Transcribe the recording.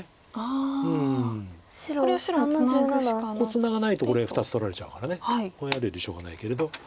ツナがないとこれ２つ取られちゃうからこうやるよりしょうがないけれど。